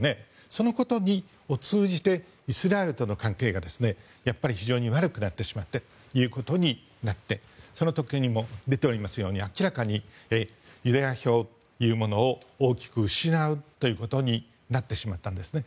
そのことを通じてイスラエルとの関係が非常に悪くなってしまったということになってその時にも出ておりますように明らかにユダヤ票を大きく失うことになってしまったんですね。